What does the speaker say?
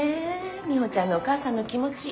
ミホちゃんのお母さんの気持ち。